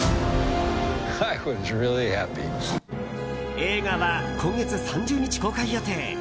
映画は今月３０日公開予定。